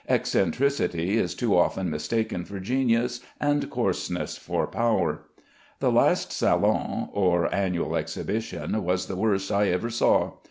Eccentricity is too often mistaken for genius, and coarseness for power. The last Salon (or annual exhibition) was the worst I ever saw.